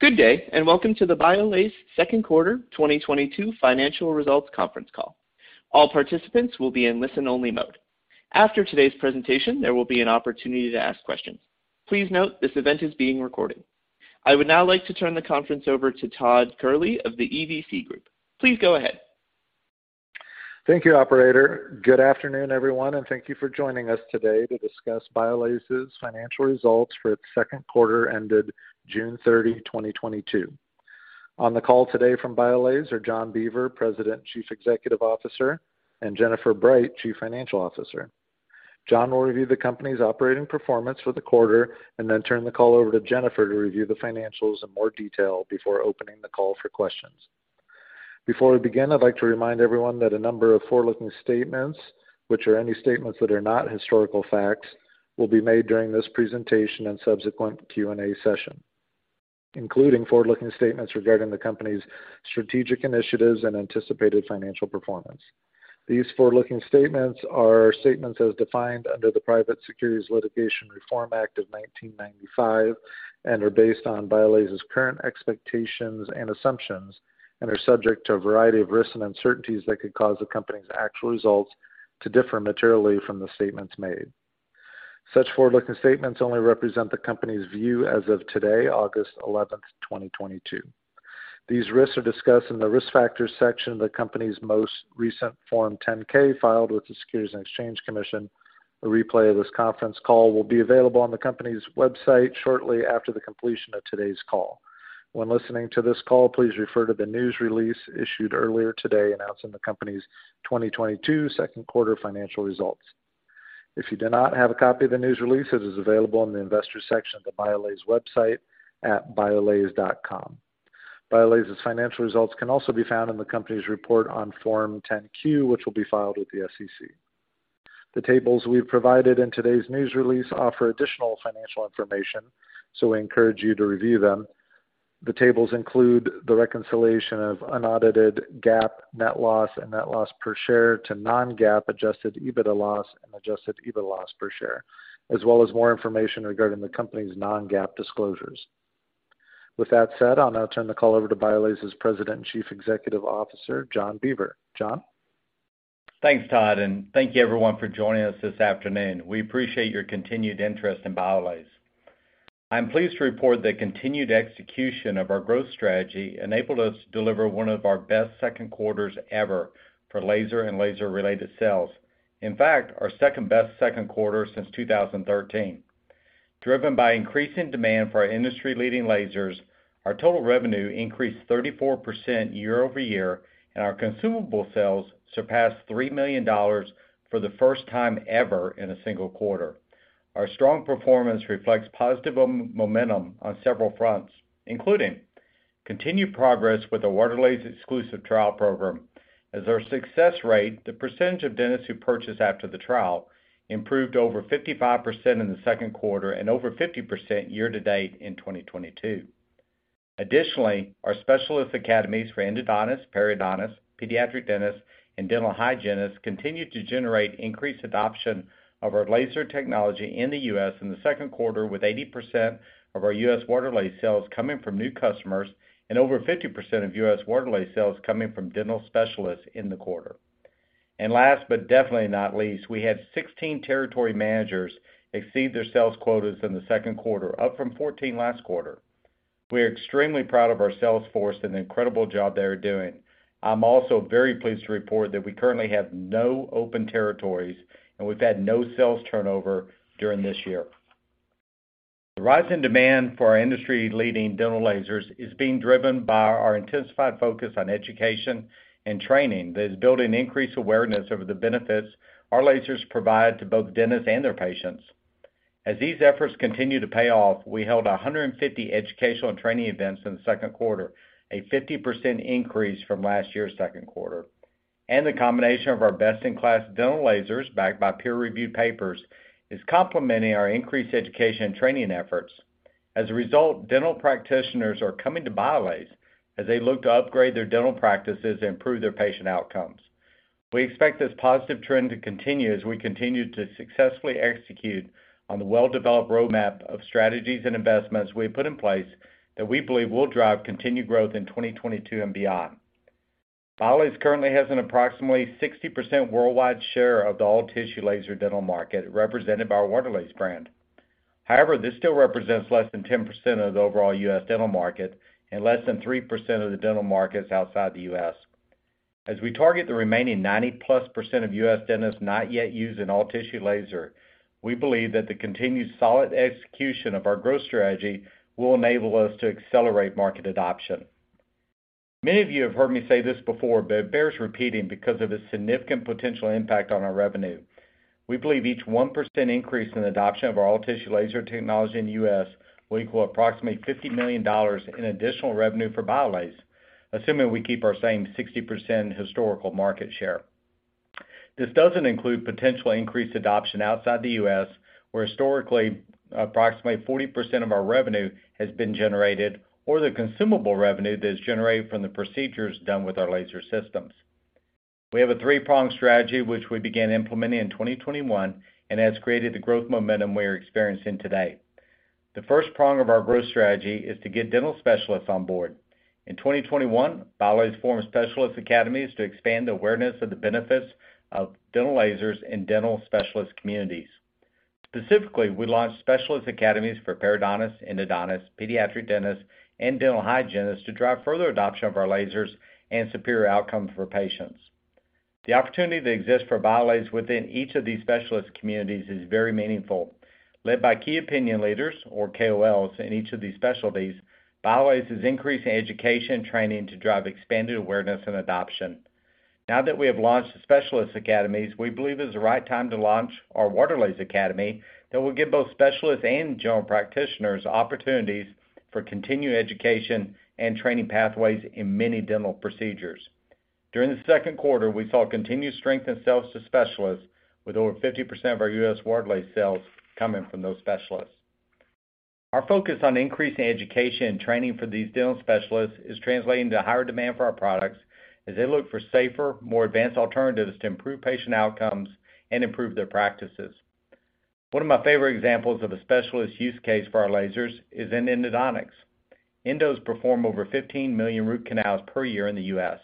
Good day, and welcome to the BIOLASE Second Quarter 2022 Financial Results Conference Call. All participants will be in listen-only mode. After today's presentation, there will be an opportunity to ask questions. Please note this event is being recorded. I would now like to turn the conference over to Todd Kehrli of the EVC Group. Please go ahead. Thank you, operator. Good afternoon, everyone, and thank you for joining us today to discuss BIOLASE's financial results for its second quarter ended June 30, 2022. On the call today from BIOLASE are John Beaver, President and Chief Executive Officer, and Jennifer Bright, Chief Financial Officer. John will review the company's operating performance for the quarter and then turn the call over to Jennifer to review the financials in more detail before opening the call for questions. Before we begin, I'd like to remind everyone that a number of forward-looking statements, which are any statements that are not historical facts, will be made during this presentation and subsequent Q&A session, including forward-looking statements regarding the company's strategic initiatives and anticipated financial performance. These forward-looking statements are statements as defined under the Private Securities Litigation Reform Act of 1995 and are based on BIOLASE's current expectations and assumptions and are subject to a variety of risks and uncertainties that could cause the company's actual results to differ materially from the statements made. Such forward-looking statements only represent the company's view as of today, August 11, 2022. These risks are discussed in the Risk Factors section of the company's most recent Form 10-K filed with the Securities and Exchange Commission. A replay of this conference call will be available on the company's website shortly after the completion of today's call. When listening to this call, please refer to the news release issued earlier today announcing the company's 2022 second quarter financial results. If you do not have a copy of the news release, it is available in the Investors section of the BIOLASE website at biolase.com. BIOLASE's financial results can also be found in the company's report on Form 10-Q, which will be filed with the SEC. The tables we've provided in today's news release offer additional financial information, so we encourage you to review them. The tables include the reconciliation of unaudited GAAP net loss and net loss per share to non-GAAP adjusted EBITDA loss and adjusted EBITDA loss per share, as well as more information regarding the company's non-GAAP disclosures. With that said, I'll now turn the call over to BIOLASE's President and Chief Executive Officer, John Beaver. John? Thanks, Todd, and thank you everyone for joining us this afternoon. We appreciate your continued interest in BIOLASE. I'm pleased to report the continued execution of our growth strategy enabled us to deliver one of our best second quarters ever for laser and laser-related sales. In fact, our second-best second quarter since 2013. Driven by increasing demand for our industry-leading lasers, our total revenue increased 34% year-over-year, and our consumable sales surpassed $3 million for the first time ever in a single quarter. Our strong performance reflects positive momentum on several fronts, including continued progress with the Waterlase Exclusive Trial Program as our success rate, the percentage of dentists who purchase after the trial, improved over 55% in the second quarter and over 50% year-to-date in 2022. Additionally, our specialist academies for endodontists, periodontists, pediatric dentists, and dental hygienists continued to generate increased adoption of our laser technology in the U.S. in the second quarter, with 80% of our U.S. Waterlase sales coming from new customers and over 50% of U.S. Waterlase sales coming from dental specialists in the quarter. Last but definitely not least, we had 16 territory managers exceed their sales quotas in the second quarter, up from 14 last quarter. We are extremely proud of our sales force and the incredible job they are doing. I'm also very pleased to report that we currently have no open territories, and we've had no sales turnover during this year. The rise in demand for our industry-leading dental lasers is being driven by our intensified focus on education and training that is building increased awareness of the benefits our lasers provide to both dentists and their patients. As these efforts continue to pay off, we held 150 educational and training events in the second quarter, a 50% increase from last year's second quarter. The combination of our best-in-class dental lasers backed by peer-reviewed papers is complementing our increased education and training efforts. As a result, dental practitioners are coming to BIOLASE as they look to upgrade their dental practices and improve their patient outcomes. We expect this positive trend to continue as we continue to successfully execute on the well-developed roadmap of strategies and investments we put in place that we believe will drive continued growth in 2022 and beyond. BIOLASE currently has an approximately 60% worldwide share of the all-tissue laser dental market represented by our Waterlase brand. However, this still represents less than 10% of the overall U.S. dental market and less than 3% of the dental markets outside the U.S. We target the remaining 90%+ of U.S. dentists not yet using all-tissue laser. We believe that the continued solid execution of our growth strategy will enable us to accelerate market adoption. Many of you have heard me say this before, but it bears repeating because of the significant potential impact on our revenue. We believe each 1% increase in adoption of our all-tissue laser technology in the U.S. will equal approximately $50 million in additional revenue for BIOLASE, assuming we keep our same 60% historical market share. This doesn't include potential increased adoption outside the U.S., where historically approximately 40% of our revenue has been generated, or the consumable revenue that is generated from the procedures done with our laser systems. We have a three-pronged strategy which we began implementing in 2021, and has created the growth momentum we are experiencing today. The first prong of our growth strategy is to get dental specialists on board. In 2021, BIOLASE formed specialist academies to expand the awareness of the benefits of dental lasers in dental specialist communities. Specifically, we launched specialist academies for periodontists, endodontists, pediatric dentists, and dental hygienists to drive further adoption of our lasers and superior outcomes for patients. The opportunity that exists for BIOLASE within each of these specialist communities is very meaningful. Led by key opinion leaders, or KOLs, in each of these specialties, BIOLASE is increasing education and training to drive expanded awareness and adoption. Now that we have launched the specialist academies, we believe it's the right time to launch our Waterlase academy that will give both specialists and general practitioners opportunities for continuing education and training pathways in many dental procedures. During the second quarter, we saw continued strength in sales to specialists with over 50% of our U.S. Waterlase sales coming from those specialists. Our focus on increasing education and training for these dental specialists is translating to higher demand for our products as they look for safer, more advanced alternatives to improve patient outcomes and improve their practices. One of my favorite examples of a specialist use case for our lasers is in endodontics. Endos perform over 15 million root canals per year in the U.S.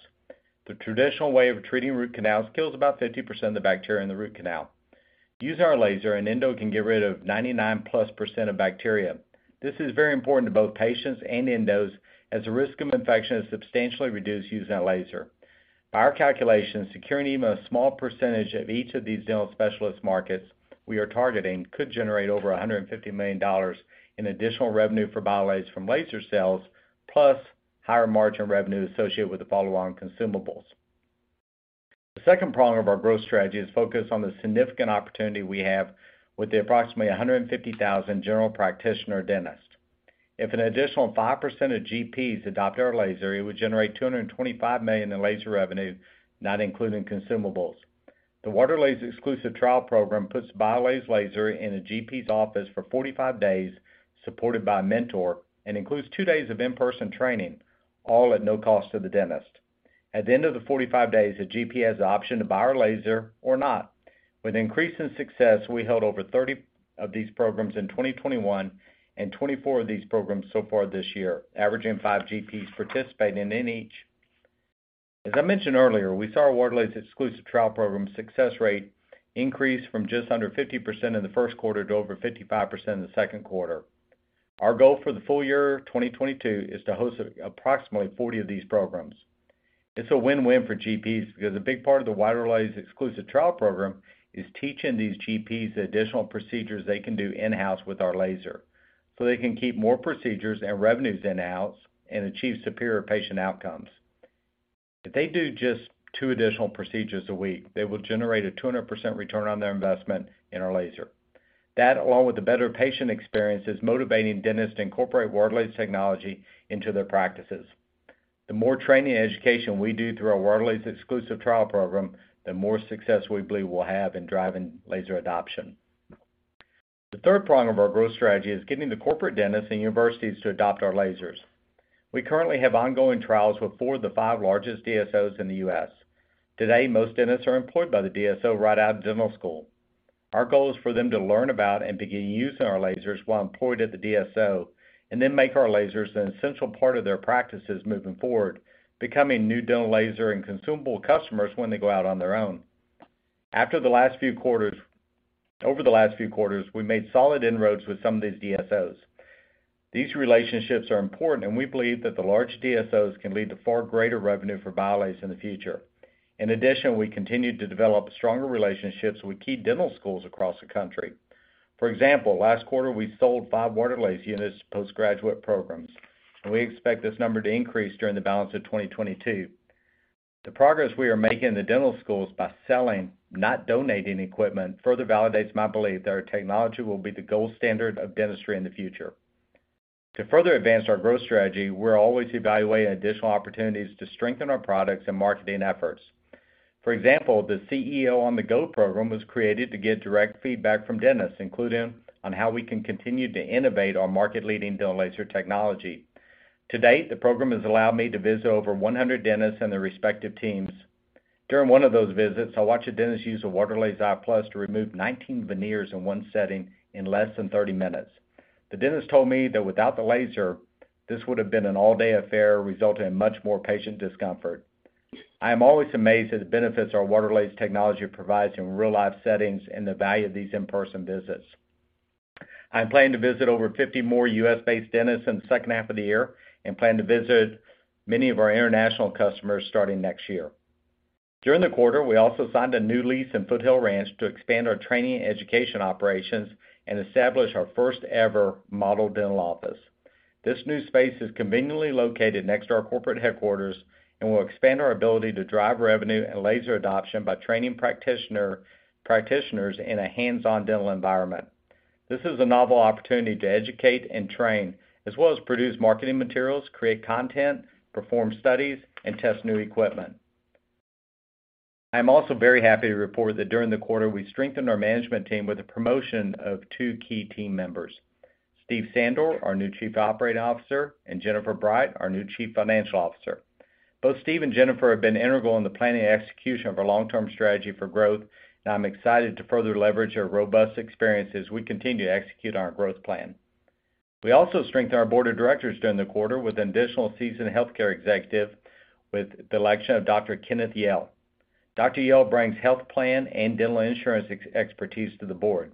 The traditional way of treating root canals kills about 50% of the bacteria in the root canal. Using our laser, an endo can get rid of 99+% of bacteria. This is very important to both patients and endos as the risk of infection is substantially reduced using our laser. By our calculations, securing even a small percentage of each of these dental specialist markets we are targeting could generate over $150 million in additional revenue for BIOLASE from laser sales, plus higher margin revenue associated with the follow-on consumables. The second prong of our growth strategy is focused on the significant opportunity we have with the approximately 150,000 general practitioner dentists. If an additional 5% of GPs adopt our laser, it would generate $225 million in laser revenue, not including consumables. The Waterlase Exclusive Trial Program puts BIOLASE laser in a GP's office for 45 days, supported by a mentor, and includes two days of in-person training, all at no cost to the dentist. At the end of the 45 days, the GP has the option to buy our laser or not. With increasing success, we held over 30 of these programs in 2021, and 24 of these programs so far this year, averaging five GPs participating in each. As I mentioned earlier, we saw our Waterlase Exclusive Trial Program success rate increase from just under 50% in the first quarter to over 55% in the second quarter. Our goal for the full year of 2022 is to host approximately 40 of these programs. It's a win-win for GPs because a big part of the Waterlase Exclusive Trial Program is teaching these GPs additional procedures they can do in-house with our laser, so they can keep more procedures and revenues in-house and achieve superior patient outcomes. If they do just two additional procedures a week, they will generate a 200% return on their investment in our laser. That, along with the better patient experience, is motivating dentists to incorporate Waterlase technology into their practices. The more training and education we do through our Waterlase Exclusive Trial Program, the more success we believe we'll have in driving laser adoption. The third prong of our growth strategy is getting the corporate dentists and universities to adopt our lasers. We currently have ongoing trials with four of the five largest DSOs in the U.S. Today, most dentists are employed by the DSO right out of dental school. Our goal is for them to learn about and begin using our lasers while employed at the DSO, and then make our lasers an essential part of their practices moving forward, becoming new dental laser and consumable customers when they go out on their own. Over the last few quarters, we made solid inroads with some of these DSOs. These relationships are important, and we believe that the large DSOs can lead to far greater revenue for BIOLASE in the future. In addition, we continue to develop stronger relationships with key dental schools across the country. For example, last quarter we sold five Waterlase units to postgraduate programs, and we expect this number to increase during the balance of 2022. The progress we are making in the dental schools by selling, not donating equipment, further validates my belief that our technology will be the gold standard of dentistry in the future. To further advance our growth strategy, we're always evaluating additional opportunities to strengthen our products and marketing efforts. For example, the CEO on the Go program was created to get direct feedback from dentists, including on how we can continue to innovate our market-leading dental laser technology. To date, the program has allowed me to visit over 100 dentists and their respective teams. During one of those visits, I watched a dentist use a Waterlase iPlus to remove 19 veneers in one sitting in less than 30 minutes. The dentist told me that without the laser, this would have been an all-day affair resulting in much more patient discomfort. I am always amazed at the benefits our Waterlase technology provides in real-life settings and the value of these in-person visits. I'm planning to visit over 50 more U.S.-based dentists in the second half of the year and plan to visit many of our international customers starting next year. During the quarter, we also signed a new lease in Foothill Ranch to expand our training and education operations and establish our first ever model dental office. This new space is conveniently located next to our corporate headquarters and will expand our ability to drive revenue and laser adoption by training practitioners in a hands-on dental environment. This is a novel opportunity to educate and train, as well as produce marketing materials, create content, perform studies, and test new equipment. I am also very happy to report that during the quarter, we strengthened our management team with the promotion of two key team members. Steve Sandor, our new Chief Operating Officer, and Jennifer Bright, our new Chief Financial Officer. Both Steve and Jennifer have been integral in the planning and execution of our long-term strategy for growth, and I'm excited to further leverage their robust experience as we continue to execute our growth plan. We also strengthened our board of directors during the quarter with an additional seasoned healthcare executive with the election of Dr. Kenneth Yale. Dr. Yale brings health plan and dental insurance expertise to the board.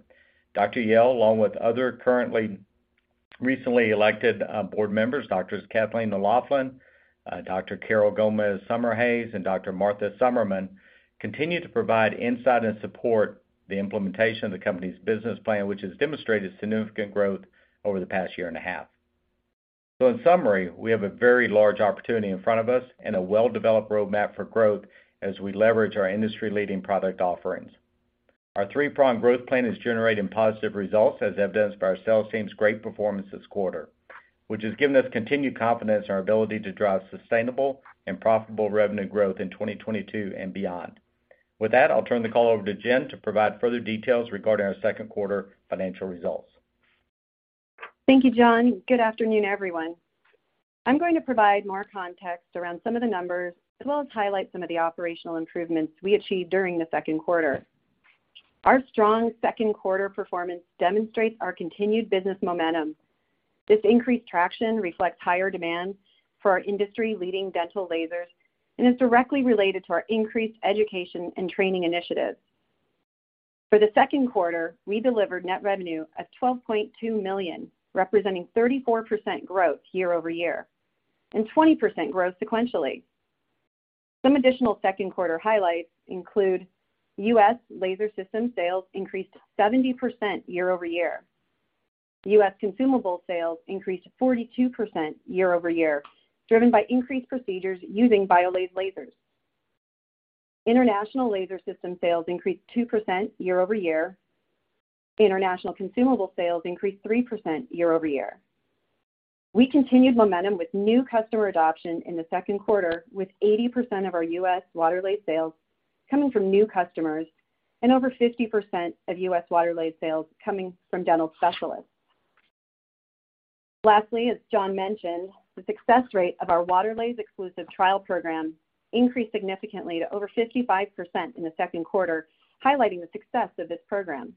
Dr. Yale, along with other recently elected board members, Doctors Kathleen O'Loughlin, Dr. Carol Gomez Summerhays, and Dr. Martha Somerman, continue to provide insight and support the implementation of the company's business plan, which has demonstrated significant growth over the past year and a half. In summary, we have a very large opportunity in front of us and a well-developed roadmap for growth as we leverage our industry-leading product offerings. Our three-pronged growth plan is generating positive results, as evidenced by our sales team's great performance this quarter, which has given us continued confidence in our ability to drive sustainable and profitable revenue growth in 2022 and beyond. With that, I'll turn the call over to Jen to provide further details regarding our second quarter financial results. Thank you, John. Good afternoon, everyone. I'm going to provide more context around some of the numbers, as well as highlight some of the operational improvements we achieved during the second quarter. Our strong second quarter performance demonstrates our continued business momentum. This increased traction reflects higher demand for our industry-leading dental lasers and is directly related to our increased education and training initiatives. For the second quarter, we delivered net revenue of $12.2 million, representing 34% growth year-over-year, and 20% growth sequentially. Some additional second quarter highlights include U.S. laser system sales increased 70% year-over-year. U.S. consumable sales increased 42% year-over-year, driven by increased procedures using BIOLASE lasers. International laser system sales increased 2% year-over-year. International consumable sales increased 3% year-over-year. We continued momentum with new customer adoption in the second quarter, with 80% of our U.S. Waterlase sales coming from new customers and over 50% of U.S. Waterlase sales coming from dental specialists. Lastly, as John mentioned, the success rate of our Waterlase Exclusive Trial Program increased significantly to over 55% in the second quarter, highlighting the success of this program.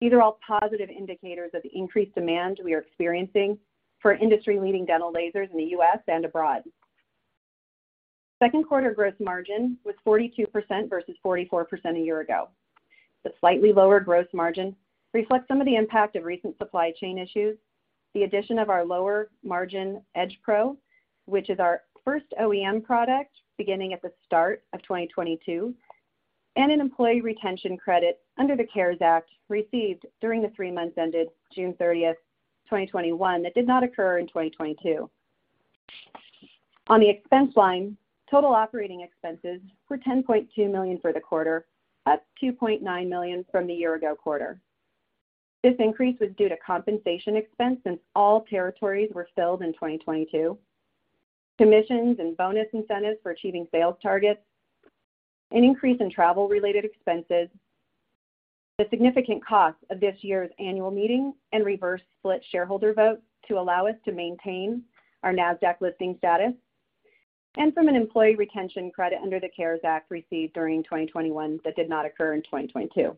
These are all positive indicators of the increased demand we are experiencing for industry-leading dental lasers in the U.S. and abroad. Second quarter gross margin was 42% versus 44% a year ago. The slightly lower gross margin reflects some of the impact of recent supply chain issues, the addition of our lower margin EdgePro, which is our first OEM product beginning at the start of 2022, and an employee retention credit under the CARES Act received during the three months ended June 30, 2021, that did not occur in 2022. On the expense line, total operating expenses were $10.2 million for the quarter, up $2.9 million from the year ago quarter. This increase was due to compensation expense since all territories were filled in 2022, commissions and bonus incentives for achieving sales targets, an increase in travel related expenses, the significant cost of this year's annual meeting and reverse split shareholder vote to allow us to maintain our NASDAQ listing status, and from an employee retention credit under the CARES Act received during 2021 that did not occur in 2022.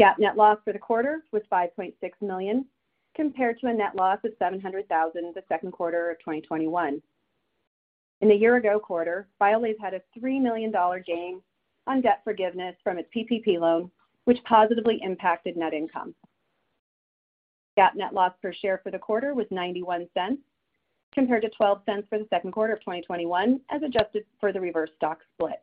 GAAP net loss for the quarter was $5.6 million, compared to a net loss of $700,000 the second quarter of 2021. In the year ago quarter, BIOLASE had a $3 million gain on debt forgiveness from its PPP loan, which positively impacted net income. GAAP net loss per share for the quarter was $0.91, compared to $0.12 for the second quarter of 2021, as adjusted for the reverse stock split.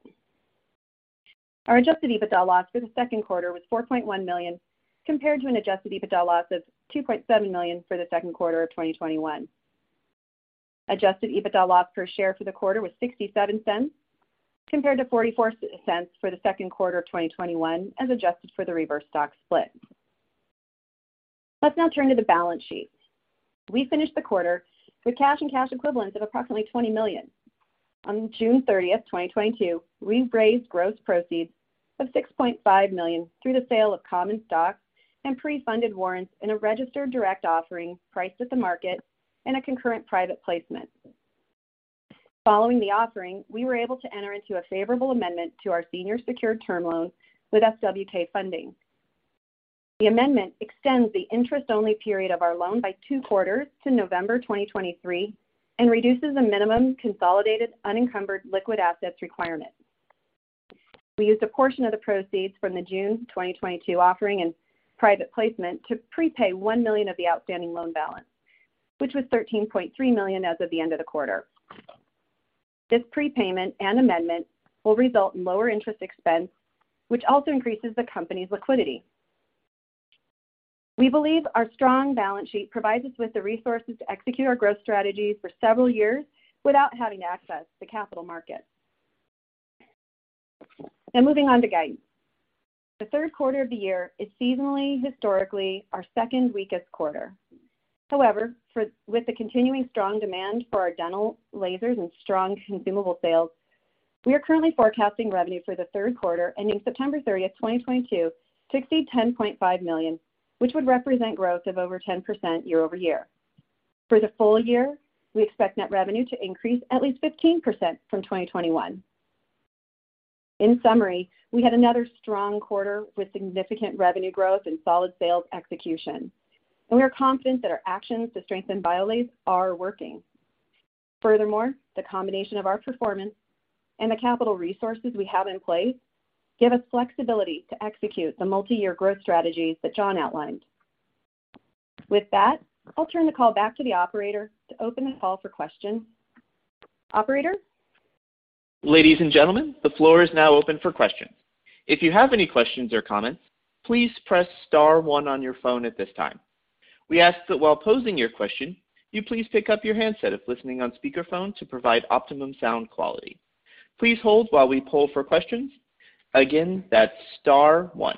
Our adjusted EBITDA loss for the second quarter was $4.1 million, compared to an adjusted EBITDA loss of $2.7 million for the second quarter of 2021. Adjusted EBITDA loss per share for the quarter was $0.67, compared to $0.44 for the second quarter of 2021, as adjusted for the reverse stock split. Let's now turn to the balance sheet. We finished the quarter with cash and cash equivalents of approximately $20 million. On June 30, 2022, we raised gross proceeds of $6.5 million through the sale of common stocks and pre-funded warrants in a registered direct offering priced at the market and a concurrent private placement. Following the offering, we were able to enter into a favorable amendment to our senior secured term loan with SWK Funding. The amendment extends the interest-only period of our loan by two quarters to November 2023 and reduces the minimum consolidated unencumbered liquid assets requirement. We used a portion of the proceeds from the June 2022 offering and private placement to prepay $1 million of the outstanding loan balance, which was $13.3 million as of the end of the quarter. This prepayment and amendment will result in lower interest expense, which also increases the company's liquidity. We believe our strong balance sheet provides us with the resources to execute our growth strategy for several years without having to access the capital markets. Now moving on to guidance. The third quarter of the year is seasonally historically our second weakest quarter. However, with the continuing strong demand for our dental lasers and strong consumable sales. We are currently forecasting revenue for the third quarter ending September 30, 2022 to exceed $10.5 million, which would represent growth of over 10% year-over-year. For the full year, we expect net revenue to increase at least 15% from 2021. In summary, we had another strong quarter with significant revenue growth and solid sales execution. We are confident that our actions to strengthen BIOLASE are working. Furthermore, the combination of our performance and the capital resources we have in place give us flexibility to execute the multi-year growth strategies that John outlined. With that, I'll turn the call back to the operator to open the call for questions. Operator? Ladies and gentlemen, the floor is now open for questions. If you have any questions or comments, please press star one on your phone at this time. We ask that while posing your question, you please pick up your handset if listening on speakerphone to provide optimum sound quality. Please hold while we poll for questions. Again, that's star one.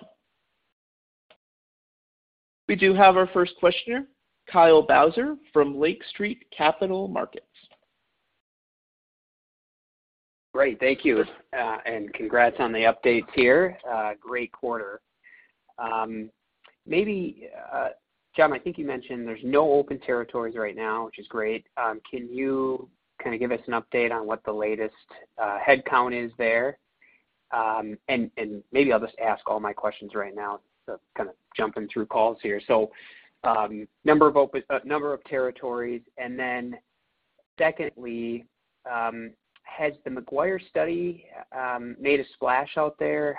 We do have our first questioner, Kyle Bauser from Lake Street Capital Markets. Great. Thank you. Congrats on the updates here. Great quarter. Maybe, John, I think you mentioned there's no open territories right now, which is great. Can you kind of give us an update on what the latest headcount is there? And maybe I'll just ask all my questions right now, so kind of jumping through calls here. Number of territories, and then secondly, has the McGuire study made a splash out there?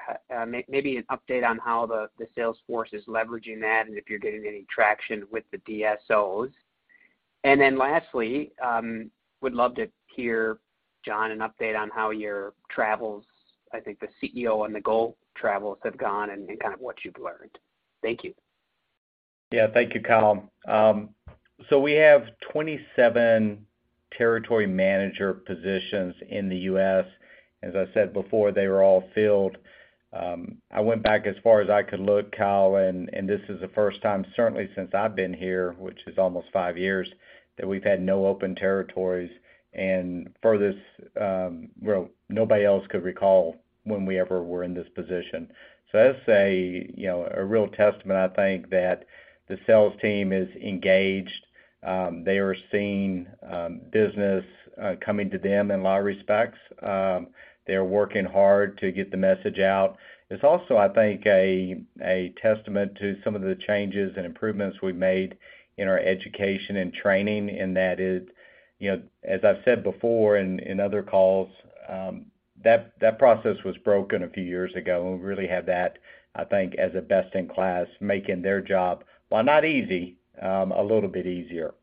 Maybe an update on how the sales force is leveraging that and if you're getting any traction with the DSOs. Then lastly, would love to hear, John, an update on how your travels, I think the CEO on the go travels have gone and kind of what you've learned. Thank you. Yeah. Thank you, Kyle. So we have 27 territory manager positions in the U.S. As I said before, they were all filled. I went back as far as I could look, Kyle, and this is the first time certainly since I've been here, which is almost five years, that we've had no open territories. Further, most, well, nobody else could recall when we ever were in this position. That's a, you know, a real testament, I think, that the sales team is engaged. They are seeing business coming to them in a lot of respects. They're working hard to get the message out. It's also, I think, a testament to some of the changes and improvements we've made in our education and training, and that is, you know, as I've said before in other calls, that process was broken a few years ago. We really have that, I think, as a best-in-class making their job, while not easy, a little bit easier.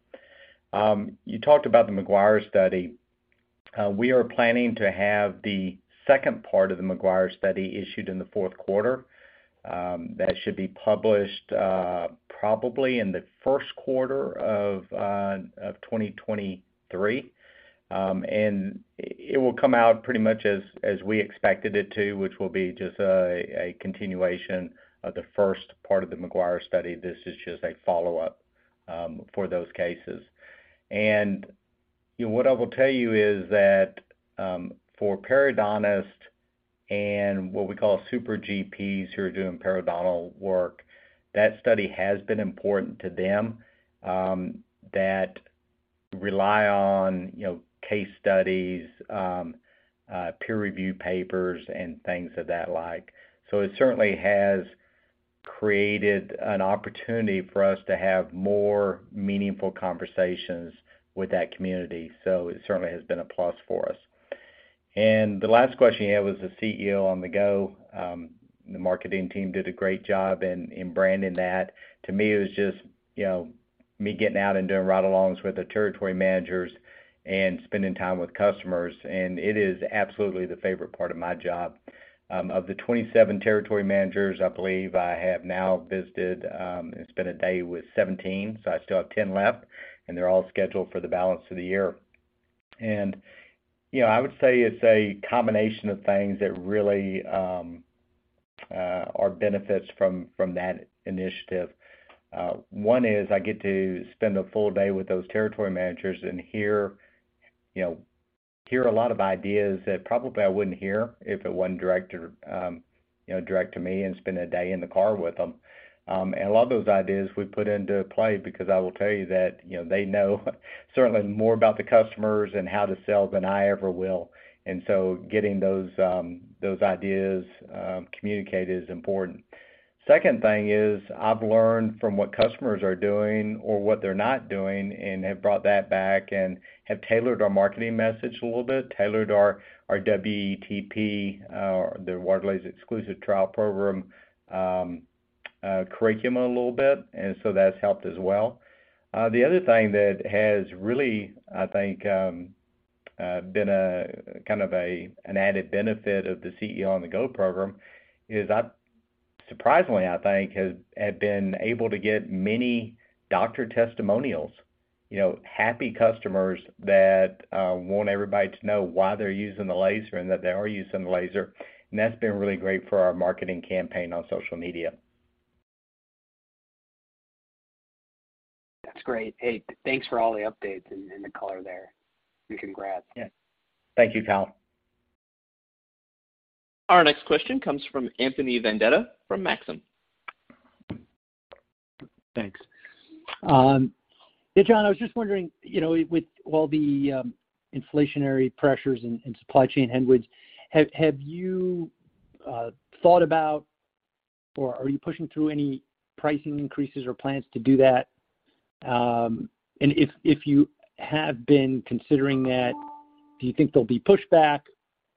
You talked about the McGuire study. We are planning to have the second part of the McGuire study issued in the fourth quarter, that should be published, probably in the first quarter of 2023. It will come out pretty much as we expected it to, which will be just a continuation of the first part of the McGuire study. This is just a follow-up for those cases. You know, what I will tell you is that, for periodontists and what we call super GPs who are doing periodontal work, that study has been important to them, that rely on, you know, case studies, peer review papers and things like that. It certainly has created an opportunity for us to have more meaningful conversations with that community. It certainly has been a plus for us. The last question you had was the CEO on the go. The marketing team did a great job in branding that. To me, it was just, you know, me getting out and doing ride-alongs with the territory managers and spending time with customers, and it is absolutely the favorite part of my job. Of the 27 territory managers, I believe I have now visited and spent a day with 17, so I still have 10 left, and they're all scheduled for the balance of the year. You know, I would say it's a combination of things that really are benefits from that initiative. One is I get to spend a full day with those territory managers and hear you know a lot of ideas that probably I wouldn't hear if it wasn't direct to me and spend a day in the car with them. And a lot of those ideas we put into play because I will tell you that you know they know certainly more about the customers and how to sell than I ever will. Getting those ideas communicated is important. Second thing is I've learned from what customers are doing or what they're not doing and have brought that back and have tailored our marketing message a little bit, tailored our WETP, the Waterlase Exclusive Trial Program, curriculum a little bit, and so that's helped as well. The other thing that has really, I think, been a kind of an added benefit of the CEO on the go program is I surprisingly, I think, have been able to get many doctor testimonials. You know, happy customers that want everybody to know why they're using the laser and that they are using the laser. That's been really great for our marketing campaign on social media. That's great. Hey, thanks for all the updates and the color there. Congrats. Yeah. Thank you, Kyle. Our next question comes from Anthony Vendetti from Maxim. Thanks. Hey, John, I was just wondering, you know, with all the inflationary pressures and supply chain headwinds, have you thought about or are you pushing through any pricing increases or plans to do that? If you have been considering that, do you think there'll be pushback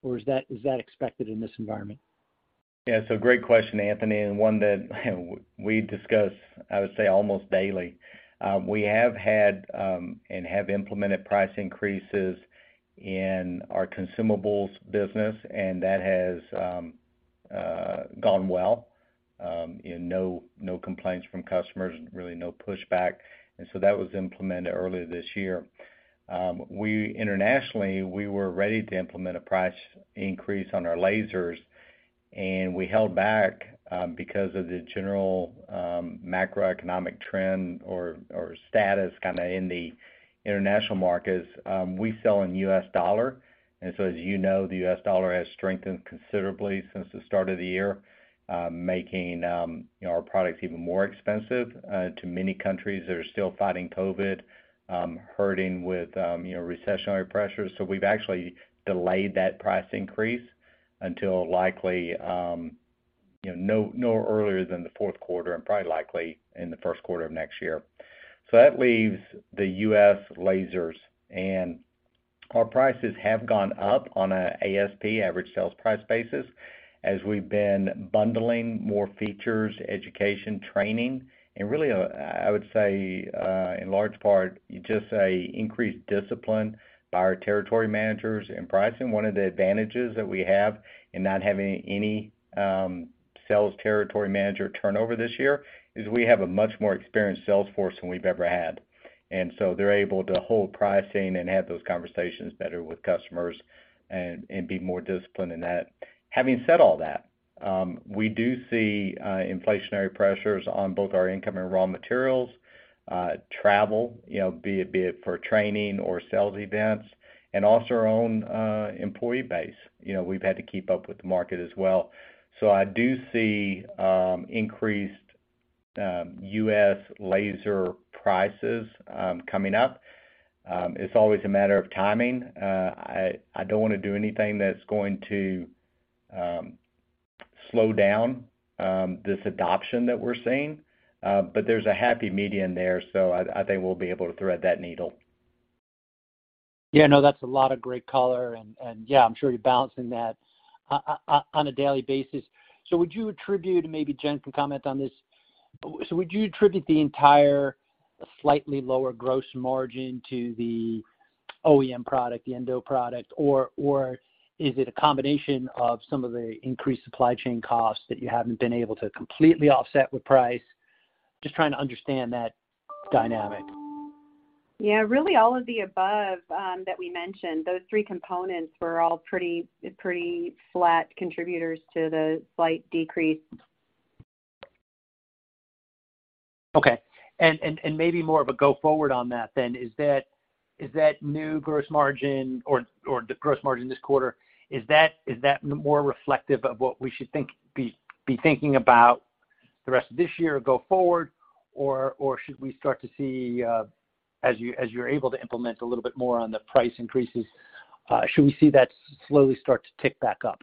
or is that expected in this environment? Yeah. Great question, Anthony, and one that we discuss, I would say almost daily. We have had and have implemented price increases in our consumables business, and that has gone well, and no complaints from customers, really no pushback. That was implemented earlier this year. Internationally, we were ready to implement a price increase on our lasers, and we held back because of the general macroeconomic trend or status kinda in the international markets. We sell in U.S. dollar, and so as you know, the U.S. dollar has strengthened considerably since the start of the year, making you know our products even more expensive to many countries that are still fighting COVID, hurting with you know recessionary pressures. We've actually delayed that price increase until likely no earlier than the fourth quarter and probably likely in the first quarter of next year. That leaves the U.S. lasers. Our prices have gone up on a ASP, average sales price basis, as we've been bundling more features, education training, and really, I would say, in large part, just an increased discipline by our territory managers in pricing. One of the advantages that we have in not having any sales territory manager turnover this year is we have a much more experienced sales force than we've ever had. They're able to hold pricing and have those conversations better with customers and be more disciplined in that. Having said all that, we do see inflationary pressures on both our incoming raw materials, travel, you know, be it for training or sales events, and also our own employee base. You know, we've had to keep up with the market as well. So I do see increased U.S. laser prices coming up. It's always a matter of timing. I don't wanna do anything that's going to slow down this adoption that we're seeing, but there's a happy medium there, so I think we'll be able to thread that needle. Yeah, no, that's a lot of great color and yeah, I'm sure you're balancing that on a daily basis. Maybe Jen can comment on this. Would you attribute the entire slightly lower gross margin to the OEM product, the endo product, or is it a combination of some of the increased supply chain costs that you haven't been able to completely offset with price? Just trying to understand that dynamic. Yeah. Really all of the above, that we mentioned, those three components were all pretty flat contributors to the slight decrease. Okay. Maybe more of a go forward on that then, is that new gross margin or the gross margin this quarter, is that more reflective of what we should be thinking about the rest of this year go forward? Should we start to see, as you're able to implement a little bit more on the price increases, should we see that slowly start to tick back up?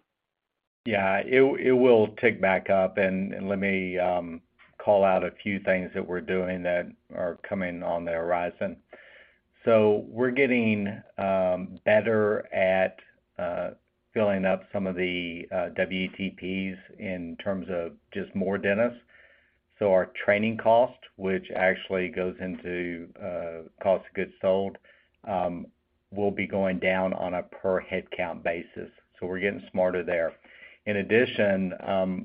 It will tick back up, and let me call out a few things that we're doing that are coming on the horizon. We're getting better at filling up some of the WETPs in terms of just more dentists. Our training cost, which actually goes into cost of goods sold, will be going down on a per headcount basis. We're getting smarter there. In addition,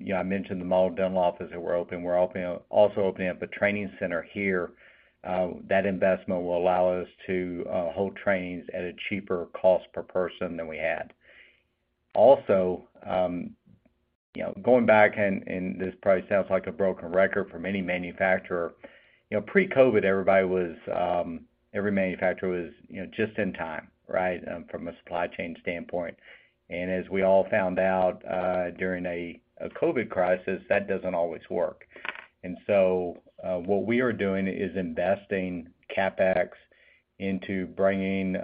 you know, I mentioned the model dental office that we're opening. We're also opening up a training center here. That investment will allow us to hold trainings at a cheaper cost per person than we had. Also, you know, going back and this probably sounds like a broken record for many manufacturer. You know, pre-COVID, everybody was, every manufacturer was, you know, just in time, right, from a supply chain standpoint. As we all found out, during a COVID crisis, that doesn't always work. What we are doing is investing CapEx into bringing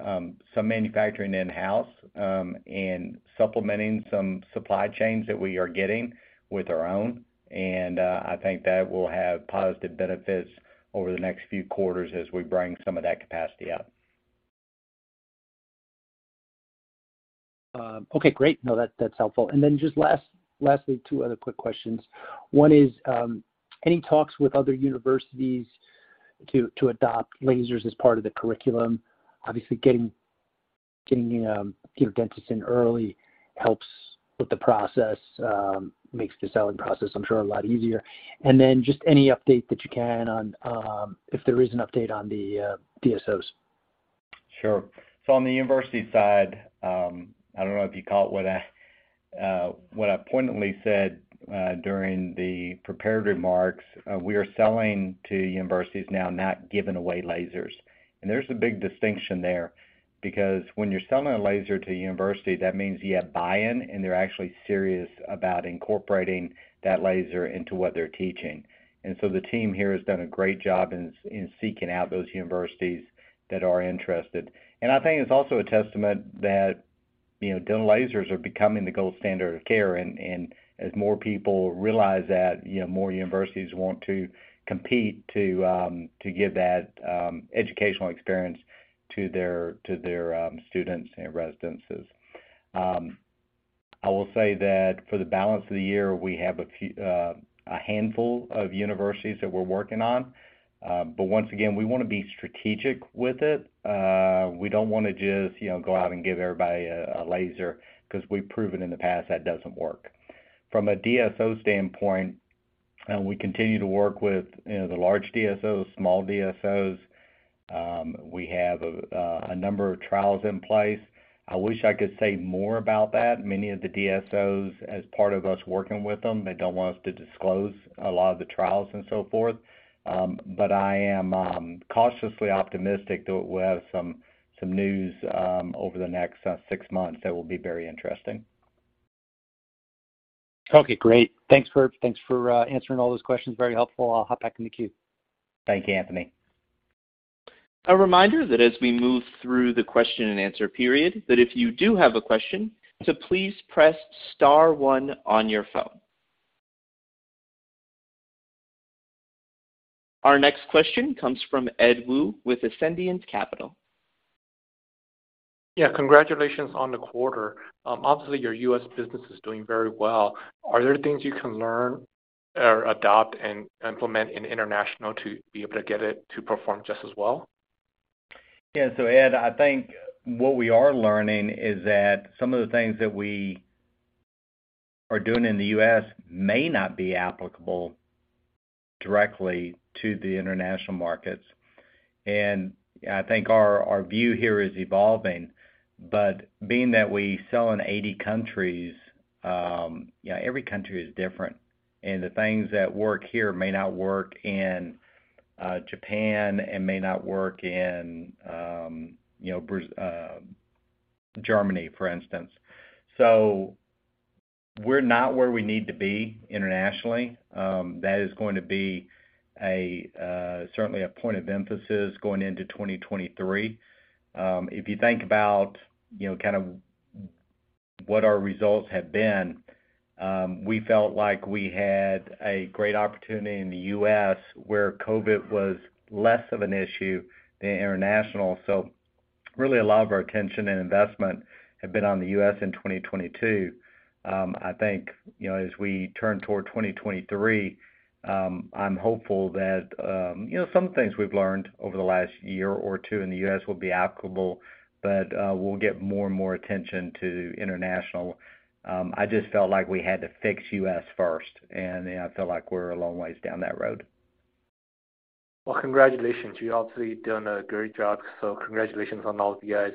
some manufacturing in-house and supplementing some supply chains that we are getting with our own. I think that will have positive benefits over the next few quarters as we bring some of that capacity up. Okay, great. No, that's helpful. Then just last, lastly, two other quick questions. One is, any talks with other universities to adopt lasers as part of the curriculum? Obviously, getting future dentists in early helps with the process, makes the selling process, I'm sure, a lot easier. Then just any update that you can on, if there is an update on the, DSOs. Sure. On the university side, I don't know if you caught what I pointedly said during the prepared remarks. We are selling to universities now, not giving away lasers. There's a big distinction there because when you're selling a laser to a university, that means you have buy-in, and they're actually serious about incorporating that laser into what they're teaching. The team here has done a great job in seeking out those universities that are interested. I think it's also a testament that, you know, dental lasers are becoming the gold standard of care and as more people realize that, you know, more universities want to compete to give that educational experience to their students and residents. I will say that for the balance of the year, we have a handful of universities that we're working on. Once again, we wanna be strategic with it. We don't wanna just, you know, go out and give everybody a laser because we've proven in the past that doesn't work. From a DSO standpoint, we continue to work with, you know, the large DSOs, small DSOs. We have a number of trials in place. I wish I could say more about that. Many of the DSOs, as part of us working with them, they don't want us to disclose a lot of the trials and so forth. I am cautiously optimistic that we'll have some news over the next six months that will be very interesting. Okay, great. Thanks. Thanks for answering all those questions. Very helpful. I'll hop back in the queue. Thank you, Anthony. A reminder that as we move through the Q&A period, that if you do have a question to please press star one on your phone. Our next question comes from Ed Woo with Ascendiant Capital. Yeah, congratulations on the quarter. Obviously, your U.S. business is doing very well. Are there things you can learn or adopt and implement in international to be able to get it to perform just as well? Yeah. Ed, I think what we are learning is that some of the things that we are doing in the U.S. may not be applicable directly to the international markets. I think our view here is evolving, but being that we sell in 80 countries, you know, every country is different, and the things that work here may not work in Japan and may not work in, you know, Germany, for instance. We're not where we need to be internationally. That is going to be certainly a point of emphasis going into 2023. If you think about, you know, kind of what our results have been, we felt like we had a great opportunity in the U.S. where COVID was less of an issue than international. Really a lot of our attention and investment had been on the U.S. in 2022. I think, you know, as we turn toward 2023, I'm hopeful that, you know, some things we've learned over the last year or two in the U.S. will be applicable. We'll get more and more attention to international. I just felt like we had to fix U.S. first, and I feel like we're a long ways down that road. Well, congratulations. You've obviously done a great job, so congratulations on all of you guys.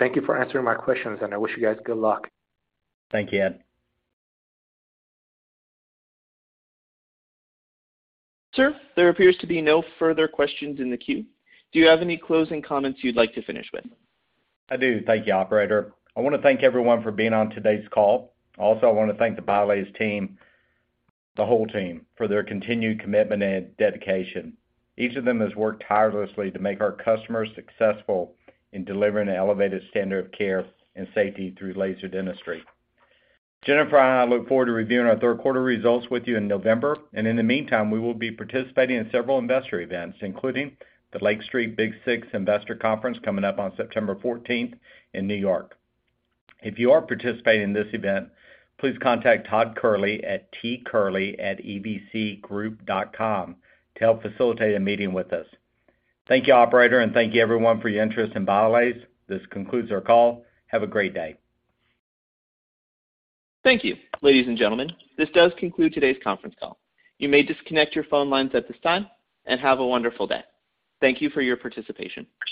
Thank you for answering my questions, and I wish you guys good luck. Thank you, Ed. Sir, there appears to be no further questions in the queue. Do you have any closing comments you'd like to finish with? I do. Thank you, operator. I wanna thank everyone for being on today's call. Also, I wanna thank the BIOLASE team, the whole team for their continued commitment and dedication. Each of them has worked tirelessly to make our customers successful in delivering an elevated standard of care and safety through laser dentistry. Jennifer and I look forward to reviewing our third quarter results with you in November. In the meantime, we will be participating in several investor events, including the Lake Street BIG6 Investor Conference coming up on September 14th in New York. If you are participating in this event, please contact Todd Kehrli at tkehrli@evcgroup.com to help facilitate a meeting with us. Thank you, operator, and thank you everyone for your interest in BIOLASE. This concludes our call. Have a great day. Thank you. Ladies and gentlemen, this does conclude today's conference call. You may disconnect your phone lines at this time, and have a wonderful day. Thank you for your participation.